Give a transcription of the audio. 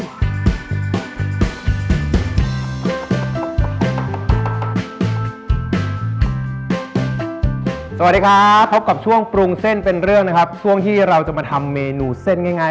สวัสดีครับพบกับช่วงปรุงเส้นเป็นเรื่องนะครับช่วงที่เราจะมาทำเมนูเส้นง่าย